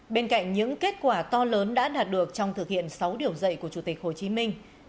bên cạnh những kết quả to lớn đã đạt được trong thực hiện sáu điều dạy của chủ tịch hồ chí minh